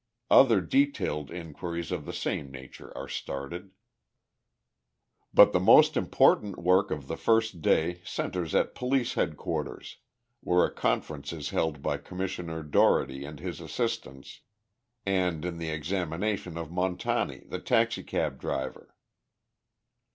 Other detailed inquiries of the same nature are started. But the most important work of the first day centers at Police Headquarters, where a conference is held by Commissioner Dougherty and his assistants, and in the examination of Montani, the taxicab driver.